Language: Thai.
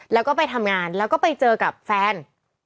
แล้วก็ไปทำงานแล้วก็ไปเจอกับแฟน